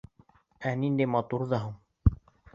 Ә ниндәй матур ҙа һуң!